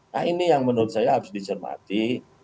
nah ini yang menurut saya harus dicermati